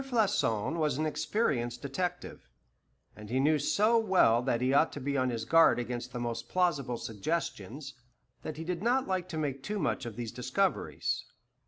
Floçon was an experienced detective, and he knew so well that he ought to be on his guard against the most plausible suggestions, that he did not like to make too much of these discoveries.